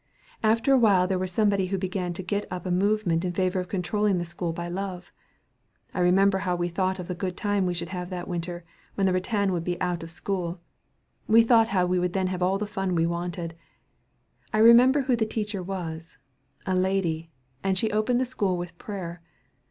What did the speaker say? "After a while there was somebody who began to get up a movement in favor of controlling the school by love. I remember how we thought of the good time we should have that winter, when the rattan would be out of school. We thought we would then have all the fun we wanted. I remember who the teacher was a lady and she opened the school with prayer.